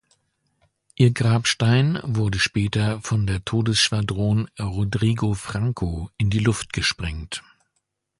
Ihr Grabstein wurde später von der Todesschwadron "Rodrigo Franco" in die Luft gesprengt.